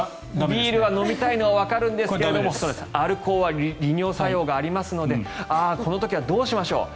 ビールを飲みたいのはわかるんですがアルコールは利尿作用がありますのでこんな時はどうしましょう。